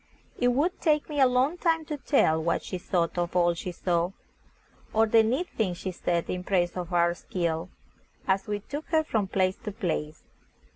It would take me a long time to tell what she thought of all she saw, or the neat things she said in praise of our skill, as we took her from place to place.